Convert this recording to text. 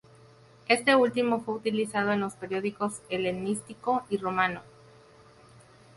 Este último fue utilizado en los periodos helenístico y romano.